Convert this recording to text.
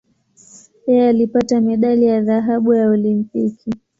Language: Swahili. Yeye alipata medali ya dhahabu ya Olimpiki.